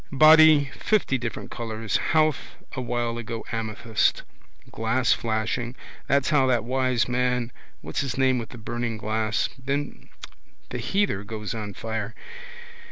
Body fifty different colours. Howth a while ago amethyst. Glass flashing. That's how that wise man what's his name with the burning glass. Then the heather goes on fire.